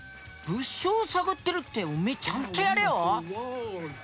物証を探ってるっておめえちゃんとやれよ？